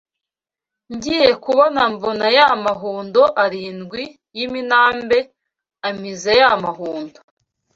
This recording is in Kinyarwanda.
Ngiye kubona mbona ya mahundo arindwi y’iminambe amize ya mahundo